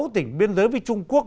sáu tỉnh biên giới với trung quốc